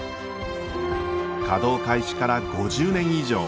稼働開始から５０年以上。